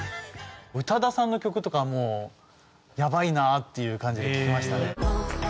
宇多田さんの曲とかはもうやばいなっていう感じで聴きましたね。